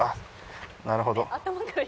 なるほど。